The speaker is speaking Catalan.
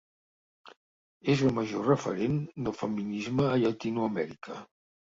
És el major referent del feminisme a Llatinoamèrica.